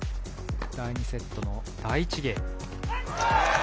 第２セットの第１ゲーム。